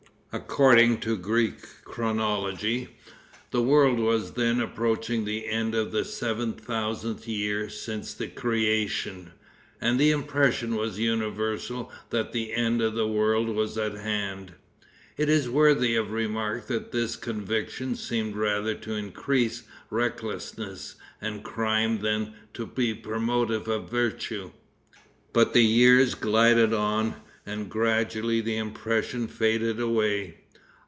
According to the Greek chronology, the world was then approaching the end of the seven thousandth year since the creation, and the impression was universal that the end of the world was at hand. It is worthy of remark that this conviction seemed rather to increase recklessness and crime than to be promotive of virtue. Bat the years glided on, and gradually the impression faded away.